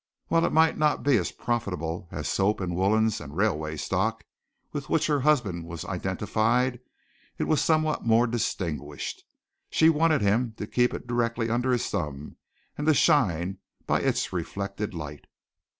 While it might not be as profitable as soap and woolens and railway stocks with which her husband was identified, it was somewhat more distinguished. She wanted him to keep it directly under his thumb and to shine by its reflected light.